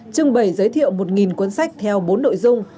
trưng bày giới thiệu một cuốn sách theo bốn nội dung